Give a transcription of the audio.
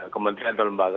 kementerian atau lembaga